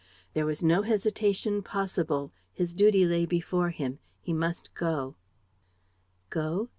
There was no hesitation possible. His duty lay before him: he must go. Go?